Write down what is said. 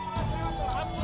ini keluarga keluarganya pak